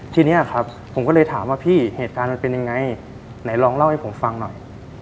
ทีนี้ครับผมก็เลยถามว่าพี่เหตุการณ์มันเป็นยังไงไหนลองเล่าให้ผมฟังหน่อย